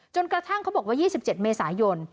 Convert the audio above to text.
จนกระทั่งเขาบอกว่ายี่สิบเจ็ดเมษายน